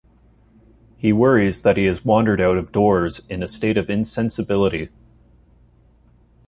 He worries that he has wandered out of doors in a state of insensibility.